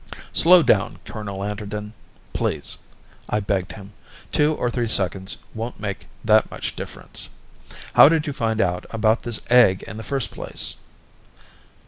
"Slow down, Colonel Anderton, please," I begged him. "Two or three seconds won't make that much difference. How did you find out about this egg in the first place?"